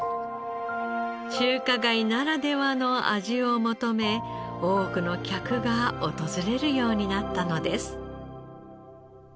中華街ならではの味を求め多くの客が訪れるようになったのです。